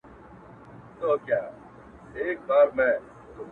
غواړهقاسم یاره جام و یار په ما ښامونو کي